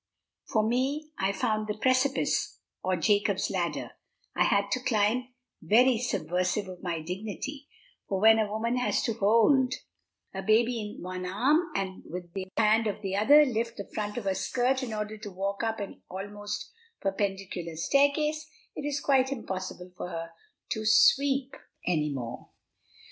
For me, I found the precipice, or Jacob's ladder, I had to climb, very subversive of my dignity; for when a woman has to hold a baby in one arm, and with the hand of the other lift the front of her skirt in order to walk up an almost perpendicular staircase, it is quite impossible for her to sweep any more.